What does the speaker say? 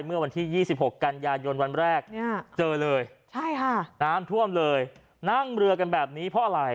เมื่อวันที่๒๖กันยายนวันแรกเนี่ยเจอเลยใช่ค่ะน้ำท่วมเลยนั่งเรือกันแบบนี้เพราะอะไร